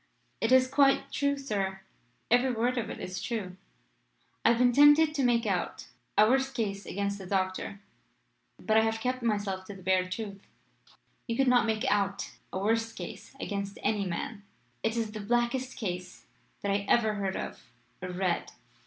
"It is quite true, sir; every word of it is true. I have been tempted to make out a worse case against the doctor, but I have kept myself to the bare truth." "You could not make out a worse case against any man. It is the blackest case that I ever heard of or read.